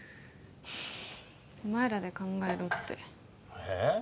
お前らで考えろってええっ？